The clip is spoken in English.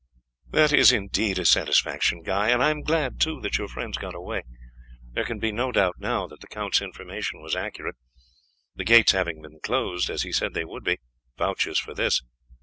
"That is indeed a satisfaction, Guy; and I am glad, too, that your friends got away. There can be no doubt now that the count's information was accurate; the gates having been closed, as he said they would be, vouches for this.